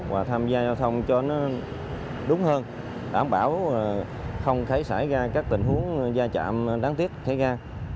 và tham gia giao thông cho nó đúng hơn đảm bảo không thể xảy ra các tình huống gia trạm đáng tiếc thể ra